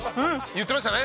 言ってましたね。